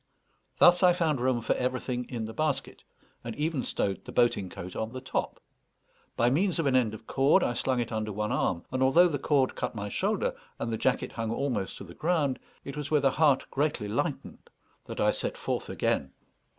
Thus I found room for everything in the basket, and even stowed the boating coat on the top. By means of an end of cord I slung it under one arm, and although the cord cut my shoulder, and the jacket hung almost to the ground, it was with a heart greatly lightened that I set forth again.